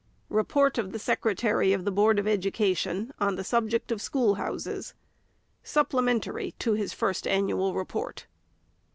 REPORT OF THE SECRETARY OP THE BOARD OP EDUCATION ON THE SUBJECT OP SCHOOLHOUSES. SUPPLEMENTARY TO HIS FIRST ANNUAL REPORT.